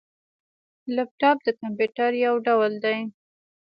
لیپټاپ د کمپيوټر یو ډول دی